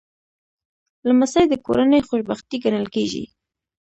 لمسی د کورنۍ خوشبختي ګڼل کېږي.